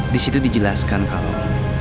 di situ dijelaskan kalau